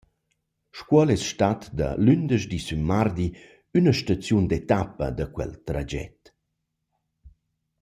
Scuol es stat da lündeschdi sün mardi üna staziun d’etappa da quel traget.